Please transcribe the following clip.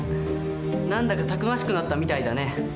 何だかたくましくなったみたいだね。